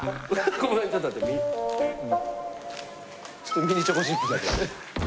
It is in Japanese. ちょっとミニチョコチップだけ。